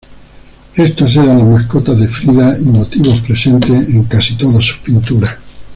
Estas eran las mascotas de Frida y motivos presentes en casi todas sus pinturas.